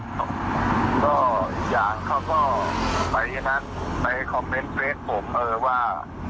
ก็อีกอย่างเขาก็ไปนัดไปคอมเมนต์เฟสผมเออว่า